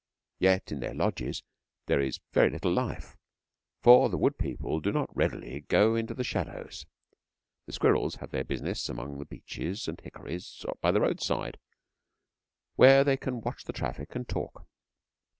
Yet in their lodges there is very little life, for the wood people do not readily go into the shadows. The squirrels have their business among the beeches and hickories by the road side, where they can watch the traffic and talk.